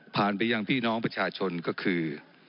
ไปยังพี่น้องประชาชนก็คือ